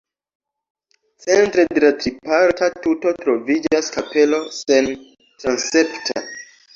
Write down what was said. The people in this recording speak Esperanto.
Centre de la triparta tuto troviĝas kapelo sentransepta.